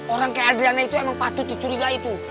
orang kayak adriana tuh emang patut dicurigai juga